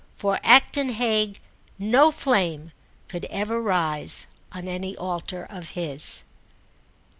For Acton Hague no flame could ever rise on any altar of his.